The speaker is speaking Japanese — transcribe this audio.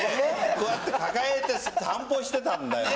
こうやって抱えて散歩してたんだよ。